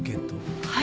はい？